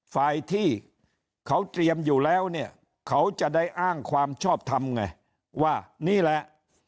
ฝ่ายที่เขาเตรียมอยู่แล้วเนี่ยเขาจะได้อ้างความชอบทำไงว่านี่แหละ